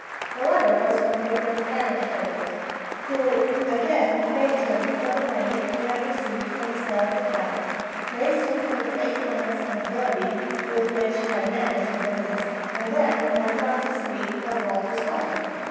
The letter was from Neighbor Frieshardt, who again thanked him for the money he had received for the sale of the cattle, praised him for the faithfulness and ability with which he had managed the business, and then went on to speak of Walter's father.